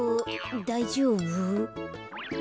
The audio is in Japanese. だいじょうぶ？